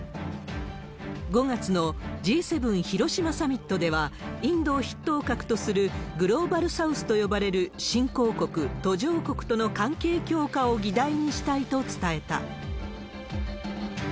５月のＧ７広島サミットでは、インドを筆頭格とするグローバルサウスと呼ばれる新興国、途上国との関係強化を議題にしたいと伝えた。